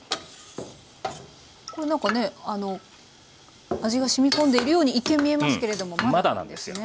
これなんかね味がしみ込んでいるように一見見えますけれどもまだなんですね。